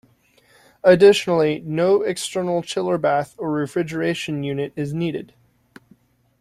Additionally, no external chiller bath or refrigeration unit is needed.